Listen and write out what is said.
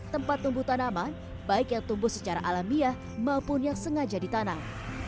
tempat tumbuh tanaman baik yang tumbuh secara alamiah maupun yang sengaja ditanam